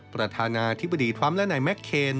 ประธานาธิบดีทรัมป์และนายแม็กเคน